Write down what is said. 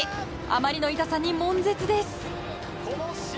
あまりの痛さに悶絶です。